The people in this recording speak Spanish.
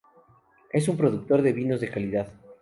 Es un productor de vinos de calidad.